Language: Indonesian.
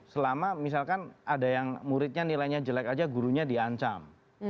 selama misalkan ada yang muridnya nilainya jelek aja gurunya diancam